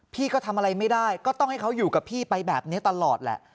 พี่ก็ทำอะไรไม่ได้ก็ต้องให้เขาอยู่กับพี่ไปแบบนี้ตลอดแหละ